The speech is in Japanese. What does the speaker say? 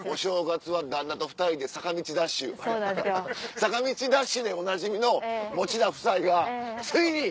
坂道ダッシュでおなじみの持田夫妻がついに！